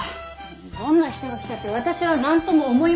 どんな人が来たって私はなんとも思いません。